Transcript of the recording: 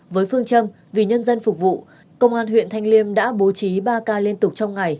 với phương châm vì nhân dân phục vụ công an huyện thanh liêm đã bố trí ba ca liên tục trong ngày